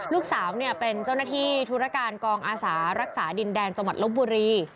ลูกสาวเป็นเจ้าหน้าที่ธุรการกองอาสารักษาดินแดนจังหวัดลบบุรี